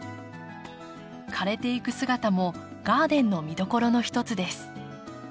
枯れていく姿もガーデンの見どころの一つです。